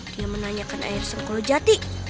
dia menanyakan air sengkolo jati